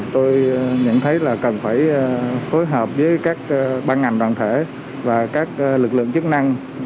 tôi nhận thấy là cần phải phối hợp với các ban ngành đoàn thể và các lực lượng chức năng